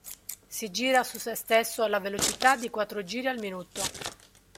Si gira su se stesso alla velocità di quattro giri al minuto.